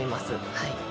はい。